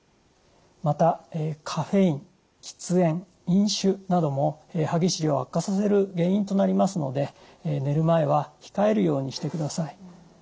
またカフェイン喫煙飲酒なども歯ぎしりを悪化させる原因となりますので寝る前は控えるようにしてください。